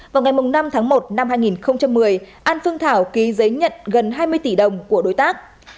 vào ngày năm tháng một năm hai nghìn một mươi an phương thảo ký giấy nhận gần hai mươi tỷ đồng của đối tác